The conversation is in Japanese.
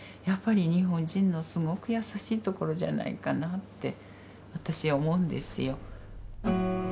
やっぱり日本人のすごく優しいところじゃないかなって私は思うんですよ。